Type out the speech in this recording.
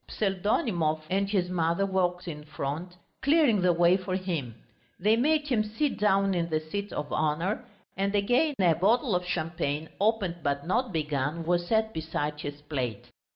Pseldonimov and his mother walked in front, clearing the way for him. They made him sit down in the seat of honour, and again a bottle of champagne, opened but not begun, was set beside his plate.